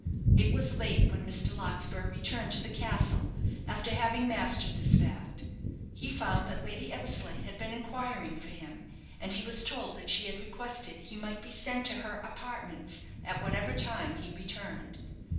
It was late when Mr. Larkspur returned to the castle, after having mastered this fact. He found that Lady Eversleigh had been inquiring for him; and he was told that she had requested he might be sent to her apartments at whatever time he returned.